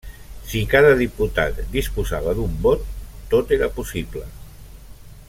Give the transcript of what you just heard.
Si cada diputat disposava d'un vot, tot era possible.